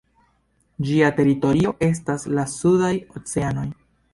Ĝia teritorio estas la sudaj oceanoj.